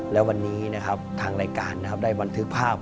และวันนี้นะครับทำรายการได้ปันทึกภาพ